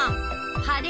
晴れ。